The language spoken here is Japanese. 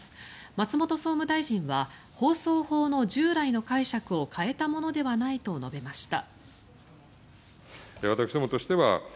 松本総務大臣は放送法の従来の解釈を変えたものではないと述べました。